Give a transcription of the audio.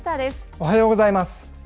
おはようございます。